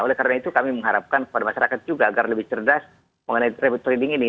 oleh karena itu kami mengharapkan kepada masyarakat juga agar lebih cerdas mengenai rapid trading ini